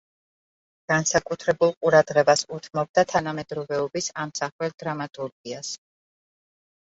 განსაკუთრებულ ყურადღებას უთმობდა თანამედროვეობის ამსახველ დრამატურგიას.